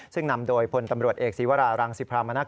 ซึ่งนำโดยพลตำรวจเอกศีวรารังสิพรามนัก